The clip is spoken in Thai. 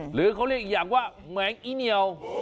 หรือเขาเรียกอีกอย่างว่าแหมงอีเหนียว